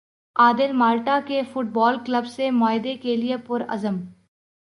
عادل Malta کے football club سے معاہدے کے لیے پرعزم